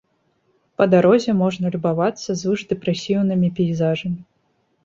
Па дарозе можна любавацца звышдэпрэсіўнымі пейзажамі.